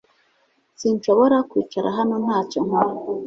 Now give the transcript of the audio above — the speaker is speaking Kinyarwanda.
Sinshobora kwicara hano ntacyo nkora